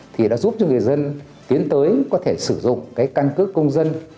thì đã giúp cho người dân tiến tới có thể sử dụng cái căn cước công dân